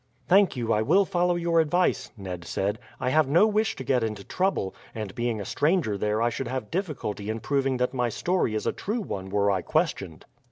"Thank you, I will follow your advice," Ned said. "I have no wish to get into trouble, and being a stranger there I should have difficulty in proving that my story is a true one were I questioned."